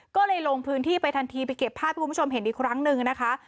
ก็เลยลงพื้นที่ไปทันทีไปเก็บภาพให้คุณผู้ชมเห็นอีกครั้งหนึ่งนะคะ